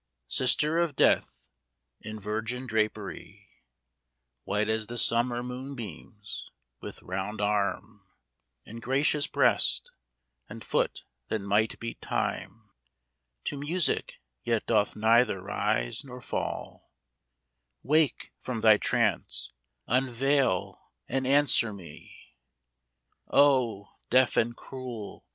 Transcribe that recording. Sister of death, in virgin drapery White as the summer moonbeams, with round arm And gracious breast, and foot that might beat time To music yet doth neither rise nor fall — Wake from thy trance, unveil and answer me ! O deaf and cruel